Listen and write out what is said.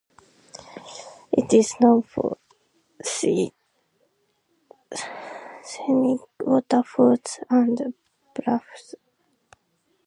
It is known for scenic waterfalls and bluffs.